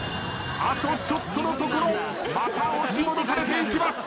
あとちょっとのところまた押し戻されていきます。